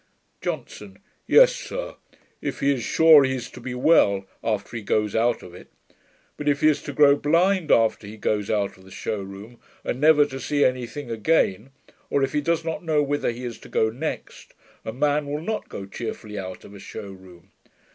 JOHNSON. 'Yes, sir, if he is sure he is to be well, after he goes out of it. But if he is to grow blind after he goes out of the show room, and never to see any thing again; or if he does not know whither he is to go next, a man will not go cheerfully out of a show room.